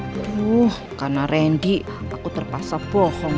aduh karena randy aku terpaksa bohong